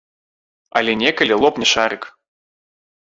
Але некалі лопне шарык.